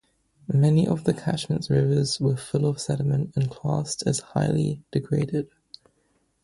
Many of the catchment's rivers were full of sediment, and classed as highly degraded.